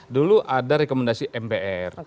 dulu ada rekomendasi mpr